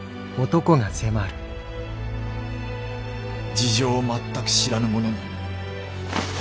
事情をまったく知らぬ者に。